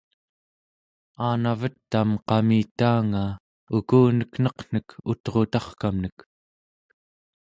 aanavet-am qamitaanga ukunek neqnek ut'rutarkamnek